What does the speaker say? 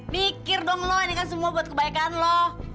mikir dong lo ini kan semua buat kebaikan loh